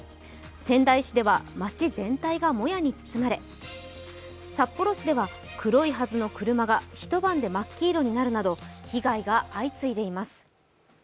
仙台市では街全体がもやに包まれ、札幌市では、黒いはずの車が一晩で真っ黄色になるなど、被害が相次いでいます。